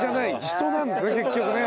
人なんですね結局ね。